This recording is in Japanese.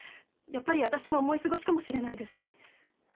やっぱり私の思い過ごしかもしれないですし。